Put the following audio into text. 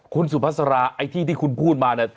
คุณสุภาษาไอ้ที่ที่คุณพูดมาเนี่ย